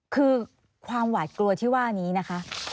คือความหวาดกลัวที่ว่านี้นะคะ